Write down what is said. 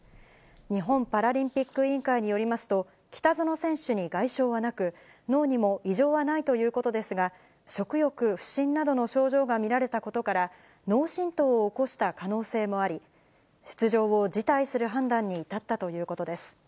日本パラリンピック委員会によりますと、北薗選手に外傷はなく、脳にも異常はないということですが、食欲不振などの症状が見られたことから、脳震とうを起こした可能性もあり、出場を辞退する判断に至ったということです。